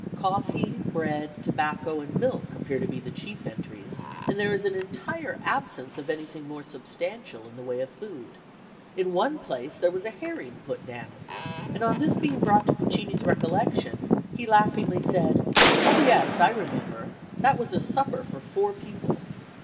Coffee, bread, tobacco and milk appear to be the chief entries, and there is an entire absence of anything more substantial in the way of food. In one place there was a herring put down; and on this being brought to Puccini's recollection, he laughingly said: "Oh, yes, I remember. That was a supper for four people."